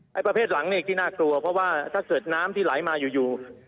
ค่ะไอประเภทหลังนี้อีกที่น่ากลัวเพราะว่าถ้าเศรษฐ์น้ำที่ไหลมาอยู่อยู่